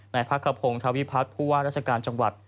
พักกระพงธวิพัฒน์ผู้ว่าราชการจังหวัด